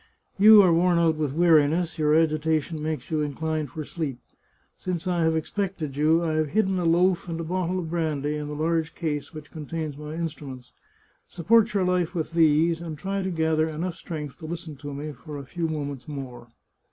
" You are worn out with weariness, your agitation makes you inclined for sleep. Since I have expected you I have hidden a loaf and a bottle of brandy in the large case which contains my instruments. Support your life with these, and try to gather enough strength to listen to me for a few moments more.